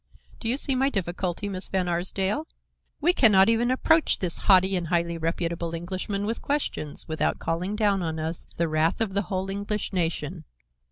Do you see my difficulty, Miss Van Arsdale? We can not even approach this haughty and highly reputable Englishman with questions without calling down on us the wrath of the whole English nation.